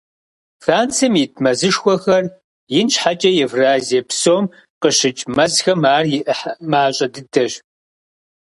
Францием ит мэзышхуэхэр ин щхьэкӀэ, Евразие псом къыщыкӀ мэзхэм ар и Ӏыхьэ мащӀэ дыдэщ.